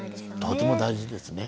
とても大事ですね。